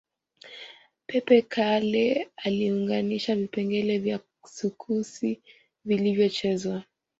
Pepe Kalle aliunganisha vipengele vya sukusi vilivyochezwa